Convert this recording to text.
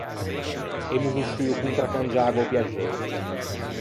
Emmo vosciuo contracangiâghe o piaxei.